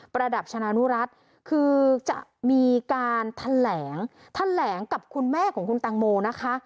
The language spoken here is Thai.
ระดับชนะนุรัติคือจะมีการแถลงแถลงกับคุณแม่ของคุณตังโมนะคะ